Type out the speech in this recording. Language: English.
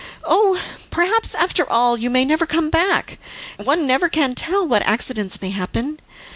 "Oh, perhaps after all you may never come back; one never can tell what accidents may happen.